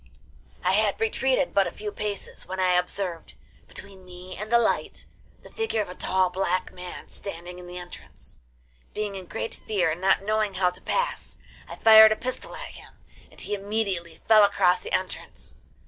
I had retreated but a few paces when I observed, between me and the light, the figure of a tall black man standing in the entrance. Being in great fear and not knowing how to pass, I fired a pistol at him, and he immediately fell across the entrance.